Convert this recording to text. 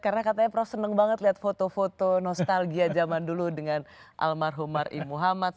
karena katanya prof seneng banget lihat foto foto nostalgia zaman dulu dengan almarhumar i muhammad